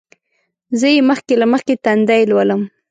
زه یې مخکې له مخکې تندی لولم.